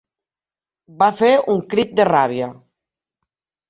Va fer un crit de ràbia.